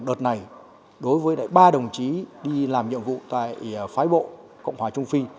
đợt này đối với ba đồng chí đi làm nhiệm vụ tại phái bộ cộng hòa trung phi